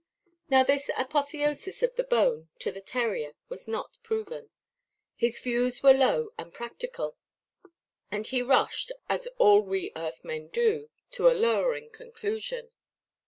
Now this apotheosis of the bone to the terrier was not proven; his views were low and practical; and he rushed (as all we earth–men do) to a lowering conclusion.